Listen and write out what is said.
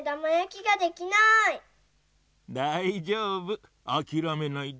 だいじょうぶあきらめないで。